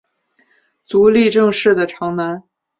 足利政氏的长男。